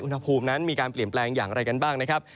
อุณหภูมินั้นมีการเปลี่ยนแปลงอย่างไรกันบ้างนะครับ